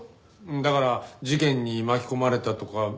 だから事件に巻き込まれたとか。